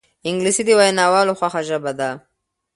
انګلیسي د ویناوالو خوښه ژبه ده